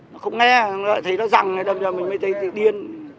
nó không nghe thấy nó rằng mình mới thấy điên